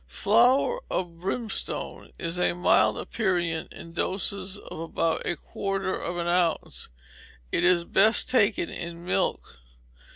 Flour of Brimstone is a mild aperient in doses of about a quarter of an ounce; it is best taken in milk.